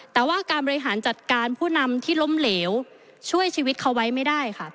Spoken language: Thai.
แต่ว่าการบริหารจัดการผู้นำที่ล้มเหลวช่วยชีวิตเขาไว้ไม่ได้ค่ะ